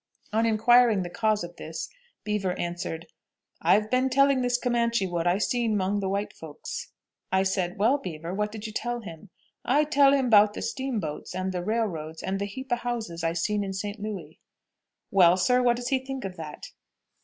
On inquiring the cause of this, Beaver answered, "I've been telling this Comanche what I seen 'mong the white folks." I said, "Well, Beaver, what did you tell him?" "I tell him 'bout the steam boats, and the railroads, and the heap o' houses I seen in St. Louis." "Well, sir, what does he think of that?"